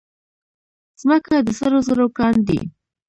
ځمکه د سرو زرو کان دی.